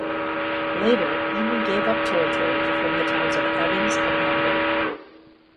Later, Eden gave up territory to form the towns of Evans and Hamburg.